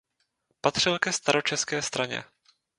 Patřil ke staročeské straně.